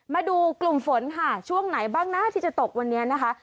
มาดูกลุ่มฝนค่ะช่วงไหนบ้างนะที่จะตกวันนี้นะคะ